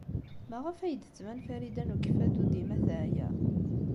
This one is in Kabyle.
Maɣef ay d-tettban Farida n Ukeffadu dima teɛya?